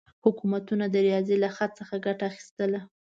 حکومتونه د ریاضي له خط څخه ګټه اخیستله.